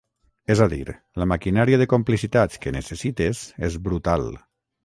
És a dir, la maquinària de complicitats que necessites és brutal.